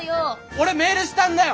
俺メールしたんだよ！